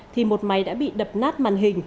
thì một máy đã bị đập nát màn hình